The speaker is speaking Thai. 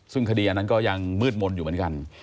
ซึ่งคดีอันนั้นก็ยังมืดมนต์อยู่เหมือนกัน